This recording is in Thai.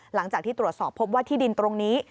หลังจากที่ตรวจสอบพบว่าที่ดินตรงนี้